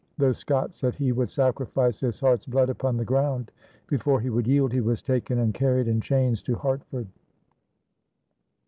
Though Scott said he would "sacrifice his heart's blood upon the ground" before he would yield, he was taken and carried in chains to Hartford.